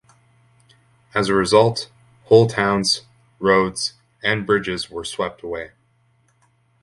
As a result, whole towns, roads, and bridges were swept away.